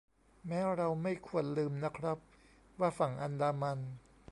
แม้เราไม่ควรลืมนะครับว่าฝั่งอันดามัน